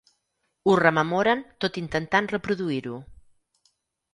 Ho rememoren tot intentant reproduir-ho.